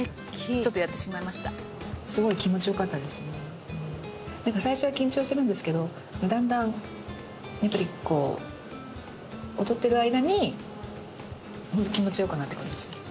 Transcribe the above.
「ちょっとやってしまいました」なんか最初は緊張するんですけどだんだんやっぱりこう踊ってる間にホント気持ちよくなってくるんですよ。